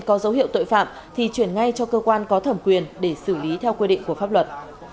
có dấu hiệu tội phạm thì chuyển ngay cho cơ quan có thẩm quyền để xử lý theo quy định của pháp luật